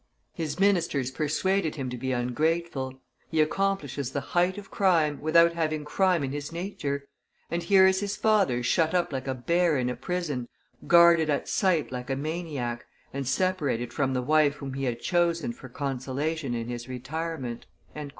His ministers persuaded him to be ungrateful: he accomplishes the height of crime, without having crime in his nature; and here is his father shut up like a bear in a prison, guarded at sight like a maniac, and separated from the wife whom he had chosen for consolation in his retirement!"